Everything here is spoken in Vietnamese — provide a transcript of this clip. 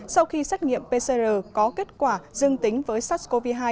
sau khi xét nghiệm pcr có kết quả dương tính với sars cov hai